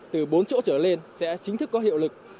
từ bốn chỗ trở lên sẽ chính thức có hiệu lực